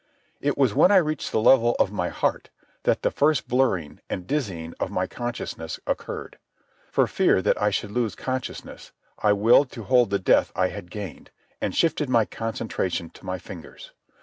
It was when I reached the level of my heart that the first blurring and dizzying of my consciousness occurred. For fear that I should lose consciousness, I willed to hold the death I had gained, and shifted my concentration to my fingers.